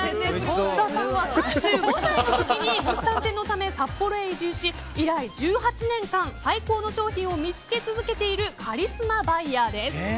本田さんは３５歳の時に物産展のために札幌へ移住し以来、１８年間最高の商品を見つけ続けているカリスマバイヤーです。